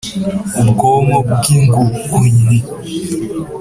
Ubwonko bw ingugunnyi